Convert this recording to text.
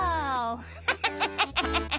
ハッハハハ。